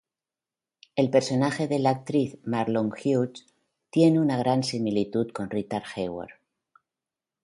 El personaje de la actriz Marlowe Hughes tiene una gran similitud con Rita Hayworth.